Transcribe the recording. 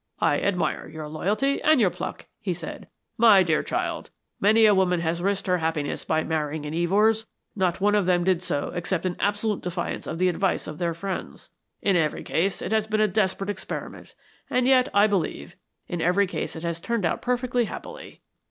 "I admire your loyalty and your pluck," he said. "My dear child, many a woman has risked her happiness by marrying an Evors not one of them did so except in absolute defiance of the advice of their friends. In every case it has been a desperate experiment, and yet, I believe, in every case it has turned out perfectly happily.